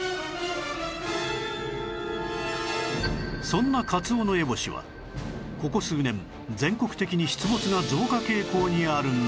そんなカツオノエボシはここ数年全国的に出没が増加傾向にあるんです